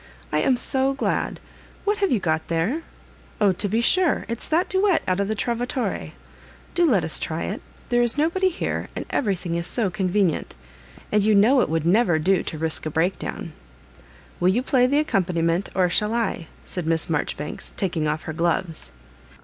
I am so glad. What have you got there? Oh, to be sure, if s thai duet out of the Trovatore. Do let us try it ; there id nobody here, and every thing is so convenient — and you know it would never do to risk a breakdown. Will you play the accompaniment, or shall I?" said Miss Mar joribanks, taking off her gloves.